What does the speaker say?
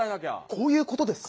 こういうことですか？